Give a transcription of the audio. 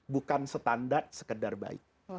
bukan standar sekedar baik